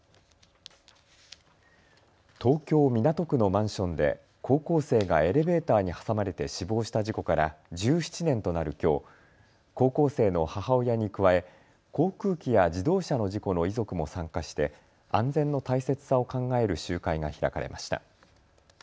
東京港区のマンションで高校生がエレベーターに挟まれて死亡した事故から１７年となるきょう、高校生の母親に加え航空機や自動車の事故の遺族も参加して安全の大切さを考える集会が開かれました。